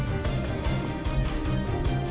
bán ba triệu